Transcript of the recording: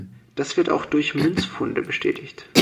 Das wird auch durch Münzfunde bestätigt.